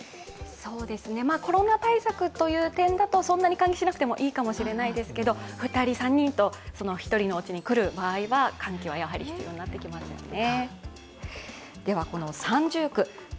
そうですね、コロナ対策という点だと、そんなに換気しなくてもいいかもしれませんが、２人、３人と１人のおうちに来る場合は換気はやはり必要になってきますよね。